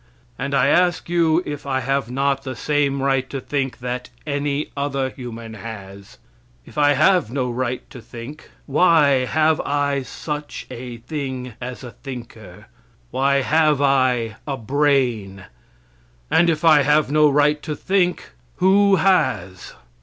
And I ask you if I have not the same right to think that any other human has? If I have no right to think, why have I such a thing as a thinker. Why have I a brain? And if I have no right to think, who has?